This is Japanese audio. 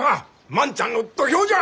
万ちゃんの土俵じゃ！